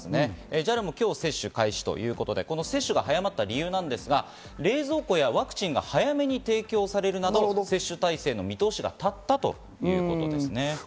ＪＡＬも今日接種開始ということで接種が早まった理由ですが、冷蔵庫やワクチンが早めに提供されるなど接種体制の見通しはたったということなんです。